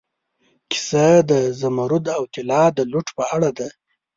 کیسه د زمرد او طلا د لوټ په اړه ده.